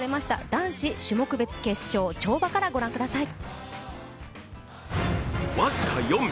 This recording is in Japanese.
男子種目別決勝跳馬からご覧ください。